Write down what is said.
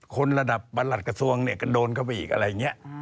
คนระดับประหลัดกระทรวงเนี่ยก็โดนเข้าไปอีกอะไรอย่างนี้